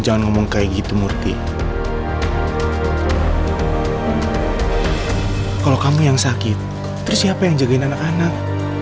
jangan ngomong kayak gitu murti kalau kamu yang sakit terus siapa yang jagain anak anak